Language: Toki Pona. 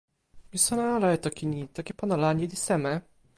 mi sona ala e toki ni. toki pona la ni li seme?